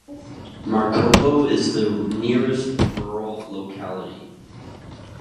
Markovo is the nearest rural locality.